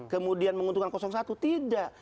kemudian menguntungkan satu tidak